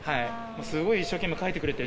すごい一生懸命書いてくれてる。